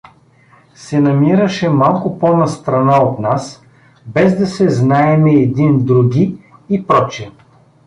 се намираше малко по-настрана от нас, без да се знаеме един други и пр.